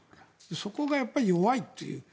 そこが弱いっていう。